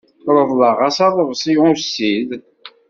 Reḍleɣ-as aḍebsi ussid.